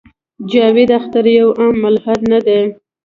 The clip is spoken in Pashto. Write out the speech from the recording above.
جاوېد اختر يو عام ملحد نۀ دے